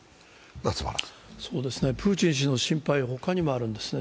プーチン氏の心配、ほかにもあるんですね。